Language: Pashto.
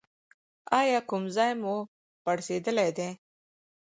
ایا کوم ځای مو پړسیدلی دی؟